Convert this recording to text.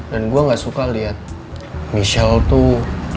dan gue gak suka liat michelle tuh